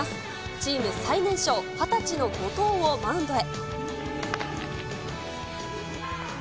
チーム最年少、２０歳の後藤をマウンドへ。